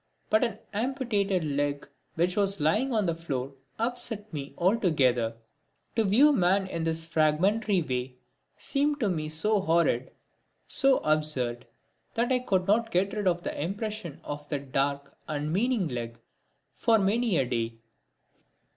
But an amputated leg which was lying on the floor upset me altogether. To view man in this fragmentary way seemed to me so horrid, so absurd that I could not get rid of the impression of that dark, unmeaning leg for many a day.